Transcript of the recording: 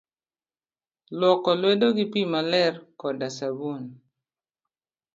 Luoko lwedo gi pii maler koda sabun.